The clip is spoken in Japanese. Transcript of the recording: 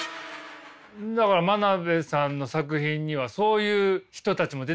だから真鍋さんの作品にはそういう人たちも出てきますもんね。